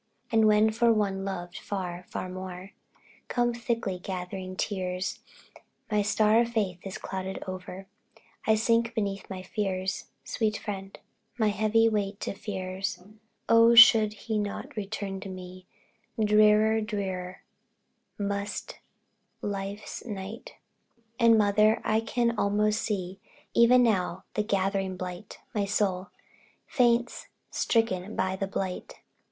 And when for one loved far, far more, Come thickly gathering tears; My star of faith is clouded o'er, I sink beneath my fears sweet friend, My heavy weight of fears. Oh, should he not return to me, Drear, drear must be life's night! And, mother, I can almost see Even now the gathering blight my soul Faints, stricken by the blight.